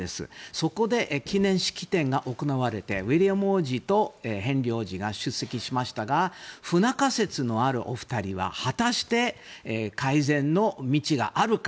そこで、記念式典が行われてウィリアム王子とヘンリー王子が出席しましたが不仲説のあるお二人は果たして改善の道があるか。